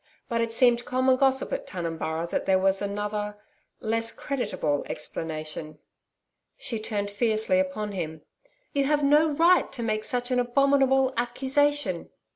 But it seemed common gossip at Tunumburra that there was another less creditable explanation.' She turned fiercely upon him. 'You have no right to make such an abominable accusation.'